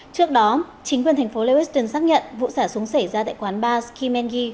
trước đó chính quyền thành phố lewiston xác nhận vụ sả súng xảy ra tại quán bars kimengi